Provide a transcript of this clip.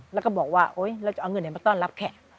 แล้วก็บอกว่าโอ๊ยเราจะเอาเงินไหนมาต้อนรับแขก